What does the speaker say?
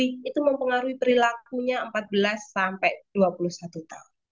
itu mempengaruhi perilakunya empat belas sampai dua puluh satu tahun